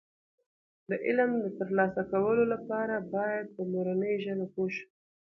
د علم د ترلاسه کولو لپاره باید په مورنۍ ژبه پوه شو.